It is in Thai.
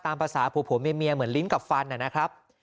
ภาษาผัวเมียเหมือนลิ้นกับฟันนะครับ